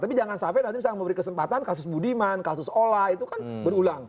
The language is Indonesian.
tapi jangan sampai nanti misalnya memberi kesempatan kasus budiman kasus ola itu kan berulang